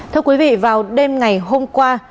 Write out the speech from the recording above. thưa quý vị vào đêm ngày hôm qua